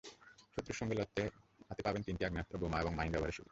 শত্রুর সঙ্গে লড়তে হাতে পাবেন তিনটি আগ্নেয়াস্ত্র, বোমা এবং মাইন ব্যবহারের সুবিধা।